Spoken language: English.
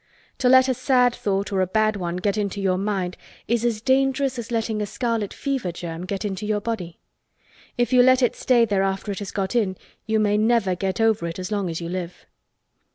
To let a sad thought or a bad one get into your mind is as dangerous as letting a scarlet fever germ get into your body. If you let it stay there after it has got in you may never get over it as long as you live.